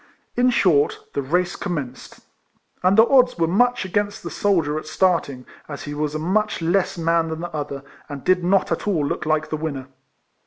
In short, the m3 250 RECOLLECTIONS OF race commenced, and the odds were much against the soldier at starting, as he was a much less man than the other, and did not at all look like the winner.